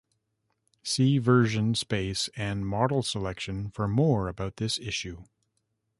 See Version space and Model selection for more about this issue.